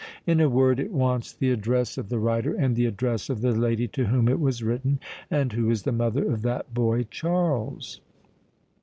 In a word, it wants the address of the writer and the address of the lady to whom it was written, and who is the mother of that boy Charles."